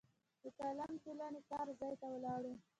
د قلم ټولنې کار ځای ته ولاړو.